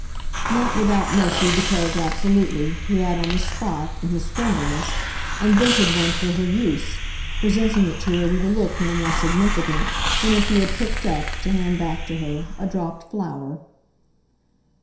Not without mercy because, absolutely, he had on the spot, in his friendliness, invented one for her use, presenting it to her with a look no more significant than if he had picked up, to hand back to her, a dropped flower.